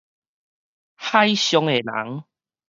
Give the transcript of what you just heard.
海上的人